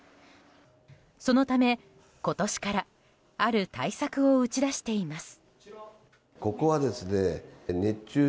そのため今年からある対策を打ち出しています。